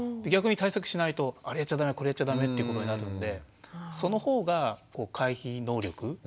逆に対策しないとあれやっちゃダメこれやっちゃダメってことになるんでその方が回避能力